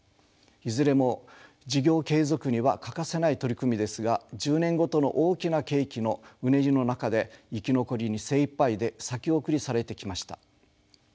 いずれも事業継続には欠かせない取り組みですが１０年ごとの大きな景気のうねりの中で生き残りに精いっぱいで先送りされてきました。